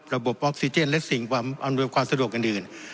ออกซิเจนและสิ่งความอำนวยความสะดวกอื่น